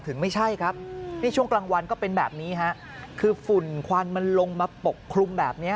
ถึงไม่ใช่ครับมีช่วงกลางวันก็เป็นแบบนี้ฮะคือฝืนควันมันลงมาปกพรุง